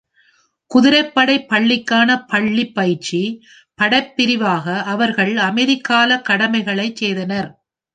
குதிரைப்படை பள்ளிக்கான பள்ளி பயிற்சி படைப்பிரிவாக அவர்கள் அமைதி கால கடமைகளை செய்தனர்.